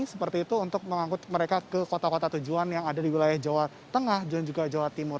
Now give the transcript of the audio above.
seperti itu untuk mengangkut mereka ke kota kota tujuan yang ada di wilayah jawa tengah dan juga jawa timur